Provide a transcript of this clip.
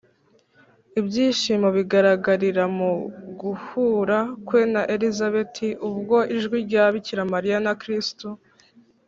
ibyishimo bigaragarira mu guhura kwe na elizabeti; ubwo ijwi rya bikira mariya na kristu